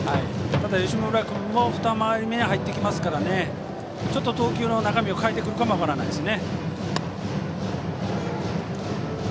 吉村君もふた回り目に入ってきますからちょっと投球の中身を変えてくるかも分からないです。